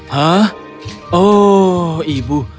hah oh ibu